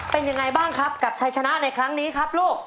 เป็นยังไงบ้างครับกับชัยชนะในครั้งนี้ครับลูก